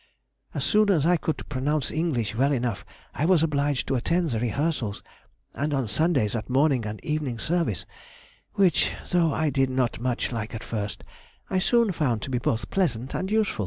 As soon as I could pronounce English well enough I was obliged to attend the rehearsals, and on Sundays at morning and evening service, which, though I did not much like at first, I soon found to be both pleasant and useful.